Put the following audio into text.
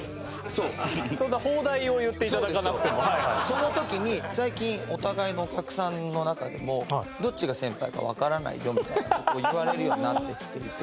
その時に最近お互いのお客さんの中でも「どっちが先輩かわからないよ」みたいな事言われるようになってきていて。